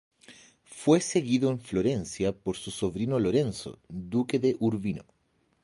Fue seguido en Florencia por su sobrino Lorenzo, duque de Urbino.